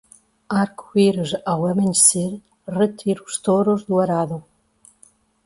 Arco-íris ao amanhecer, retire os touros do arado.